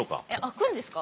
開くんですか？